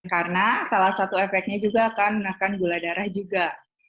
karena salah satu efeknya juga akan menekan gula darah juga